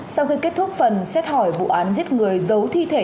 sau khi kết thúc phần xét hỏi vụ án giết người giấu thi thể